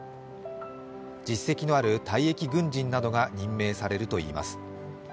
実績のある退役軍人などが任命されるといいます。